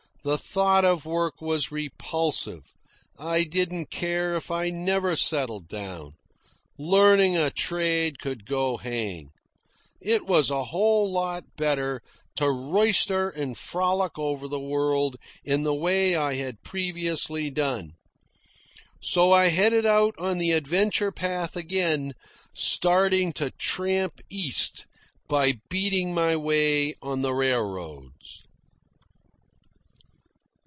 The thought of work was repulsive. I didn't care if I never settled down. Learning a trade could go hang. It was a whole lot better to royster and frolic over the world in the way I had previously done. So I headed out on the adventure path again, starting to tramp East by beating my way on the railroads.